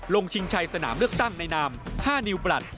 ชิงชัยสนามเลือกตั้งในนาม๕นิวบลัด